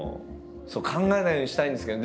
考えないようにしたいんですけど。